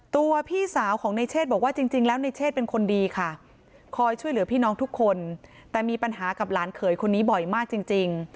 พี่สาวของในเชศบอกว่าจริงแล้วในเชศเป็นคนดีค่ะคอยช่วยเหลือพี่น้องทุกคนแต่มีปัญหากับหลานเขยคนนี้บ่อยมากจริง